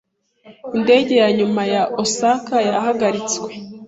Indege ya nyuma ya Osaka yahagaritswe.